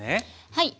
はい。